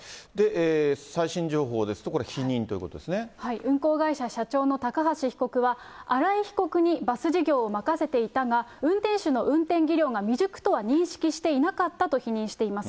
最新情報ですと、これ、運行会社社長の高橋被告は、荒井被告にバス事業を任せていたが、運転手の運転技量が未熟とは認識していなかったと否認しています。